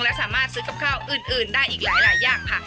และสามารถซื้อกับข้าวอื่นได้อีกหลายอย่างค่ะ